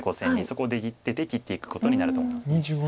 そこを出切ってで切っていくことになると思います。